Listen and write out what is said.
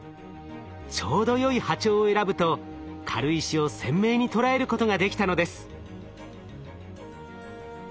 ちょうどよい波長を選ぶと軽石を鮮明に捉えることができたのです。